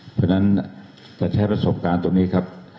เพราะฉะนั้นถ้าใช้ประสบความตรงนี้ครับ